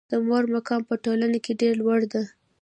د مور مقام په ټولنه کې ډېر لوړ ده.